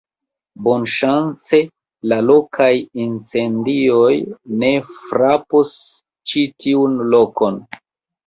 bonŝance la lokaj incendioj ne frapos ĉi tiun lokon.